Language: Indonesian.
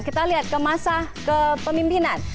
kita lihat ke masa kepemimpinan